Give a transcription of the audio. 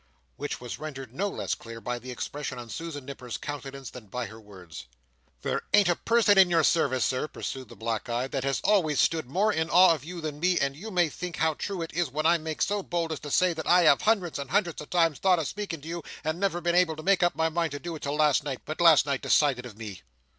Which was rendered no less clear by the expression of Susan Nipper's countenance, than by her words. "There ain't a person in your service, Sir," pursued the black eyed, "that has always stood more in awe of you than me and you may think how true it is when I make so bold as say that I have hundreds and hundreds of times thought of speaking to you and never been able to make my mind up to it till last night, but last night decided of me."